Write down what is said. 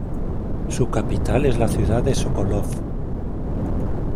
Su capital es la ciudad de Sokolov.